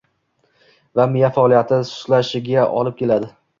va miya faoliyati sustlashishiga olib keladi.